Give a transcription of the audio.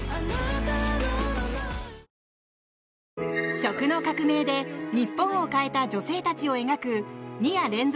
食の革命で日本を変えた女性たちを描く２夜連続